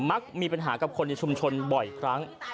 มักมีปัญหากับคนในชุมชนบ่อยครั้ง